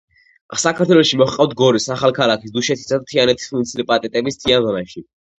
საქართველოში მოჰყავთ გორის, ახალქალაქის, დუშეთისა და თიანეთის მუნიციპალიტეტების მთიან ზონაში.